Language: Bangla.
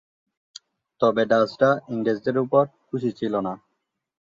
তবে ডাচ রা ইংরেজ দের উপর খুশি ছিলনা।